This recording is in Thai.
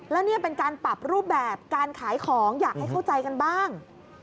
แล้วนี่เป็นการปรับรูปแบบการขายของอยากให้เข้าใจกันบ้าง